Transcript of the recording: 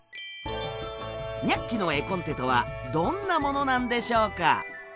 「ニャッキ！」の絵コンテとはどんなものなんでしょうか？